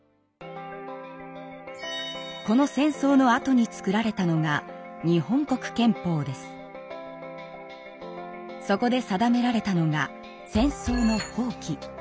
この戦争のあとに作られたのがそこで定められたのが戦争の放棄。